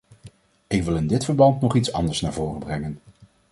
Ik wil in dit verband nog iets anders naar voren brengen.